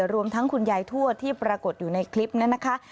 รวมทั้งคุณยายทั่วที่ปรากฏอยู่ในคลิปนั้นนะคะ